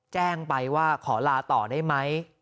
แจ้งไปว่าขอลาต่อได้ไหม